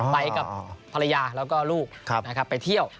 ไปกับภรรยาแล้วก็ลูกนะครับไปเที่ยว